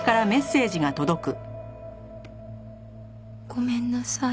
「ごめんなさい」